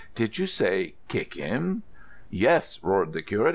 "Did you say kick him?" "Yes," roared the curate.